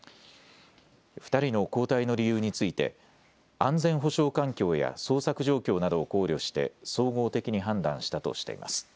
２人の交代の理由について安全保障環境や捜索状況などを考慮して総合的に判断したとしています。